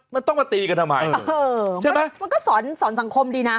มันต้องมาตีกันทำไมเออใช่ไหมมันก็สอนสอนสังคมดีนะ